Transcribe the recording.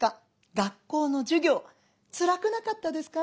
学校の授業つらくなかったですか？